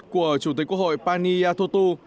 của chủ tịch quốc hội paniyatotu